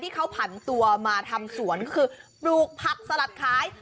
ที่เขาก็ผันตัวมาทำสวนคือปลูกผักซาลาดคล้าย